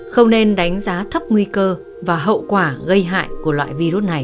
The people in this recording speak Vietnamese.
không nên đánh giá thấp nguy cơ và hậu quả gây hại